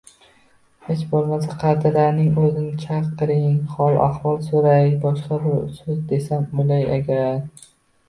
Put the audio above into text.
Hech boʻlmasa, Qadiraning oʻzini chaqiring, hol–ahvol soʻray, boshqa bir soʻz desam, oʻlay agar